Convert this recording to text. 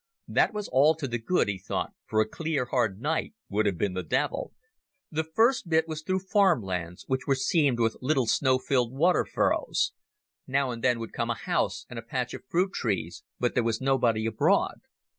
That was all to the good, he thought, for a clear, hard night would have been the devil. The first bit was through farmlands, which were seamed with little snow filled water furrows. Now and then would come a house and a patch of fruit trees, but there was nobody abroad.